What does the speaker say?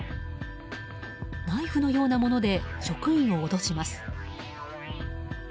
ナイフのようなもので職員を脅します。